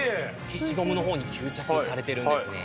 消しゴムの方に吸着されてるんですね。